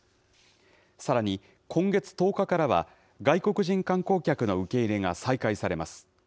さらに、今月１０日からは、外国人観光客の受け入れが再開されます。